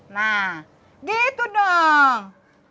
nah gitu dong